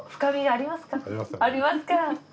あります。